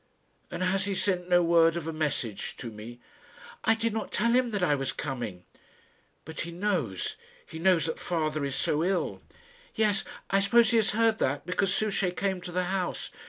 "And has he sent no word of a message to me?" "I did not tell him that I was coming." "But he knows he knows that father is so ill." "Yes; I suppose he has heard that, because Souchey came to the house.